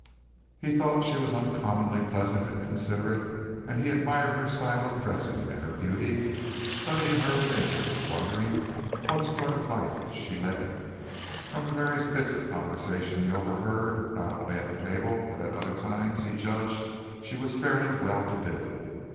He thought she was uncommonly pleasant and considerate and he admired her style of dressing and her beauty, studying her with interest, wondering what sort of a life she led, for from various bits of conversation he overheard not only at table but at other times he judged she was fairly well to do.